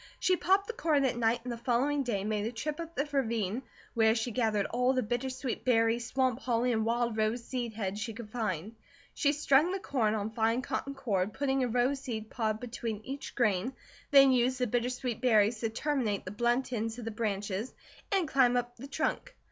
She popped the corn at night and the following day made a trip up the ravine, where she gathered all the bittersweet berries, swamp holly, and wild rose seed heads she could find. She strung the corn on fine cotton cord putting a rose seed pod between each grain, then used the bittersweet berries to terminate the blunt ends of the branches, and climb up the trunk.